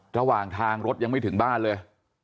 ระหว่างทางรถยังไม่ถึงบ้านเลย